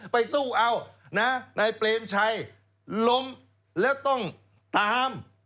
ไปสู้เอานะนายเปรมชัยล้มแล้วต้องตาม